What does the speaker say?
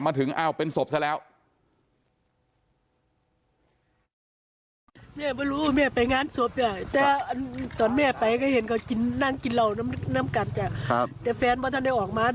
ก็เลยรีบมาถึงเอ้าเป็นศพซะแล้ว